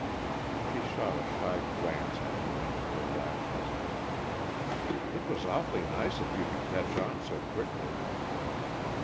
She shot a shy glance at him under her lashes. "It was awfully nice of you to catch on so quickly."